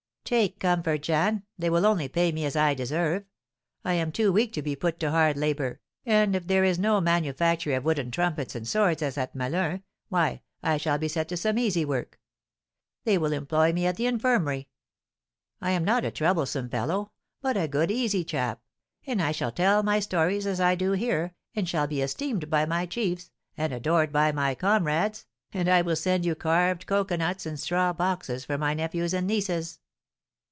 "Take comfort, Jeanne, they will only pay me as I deserve. I am too weak to be put to hard labour, and if there is no manufactory of wooden trumpets and swords as at Melun, why, I shall be set to some easy work; they will employ me at the infirmary. I am not a troublesome fellow, but a good, easy chap; and I shall tell my stories as I do here, and shall be esteemed by my chiefs, and adored by my comrades, and I will send you carved cocoanuts and straw boxes for my nephews and nieces."